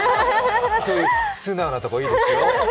そういう素直なところいいですよ。